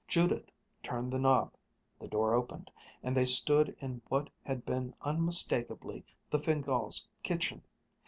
Judith turned the knob, the door opened, and they stood in what had been unmistakably the Fingáls' kitchen.